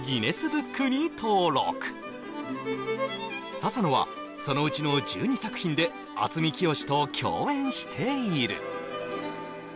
笹野はそのうちの１２作品で渥美清と共演している